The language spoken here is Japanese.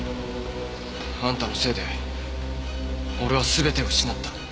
あんたのせいで俺は全てを失った。